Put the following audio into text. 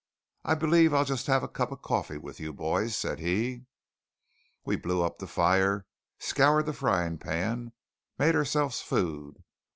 "I believe I'll just have a cup of coffee with you boys," said he. We blew up the fire, scoured the frying pan, made ourselves food.